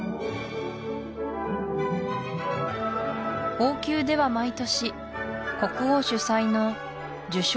王宮では毎年国王主催の受賞